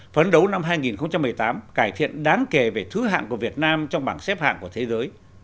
phấn đấu năm hai nghìn một mươi tám cải thiện đáng kể về thứ hạng của việt nam trong bảng xếp hạng của thế giới